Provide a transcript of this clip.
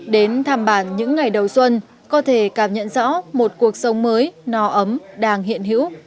đến thăm bản những ngày đầu xuân có thể cảm nhận rõ một cuộc sống mới no ấm đang hiện hữu